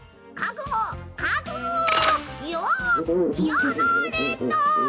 「やられた！」。